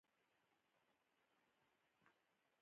هلک د عزت ساتونکی دی.